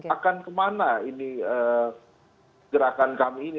akan kemana ini gerakan kami ini